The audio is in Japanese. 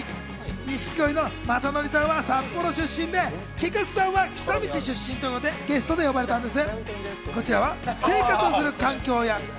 錦鯉の長谷川さんが札幌出身で、菊地さんは北見市出身ということでゲストで呼ばれたんです。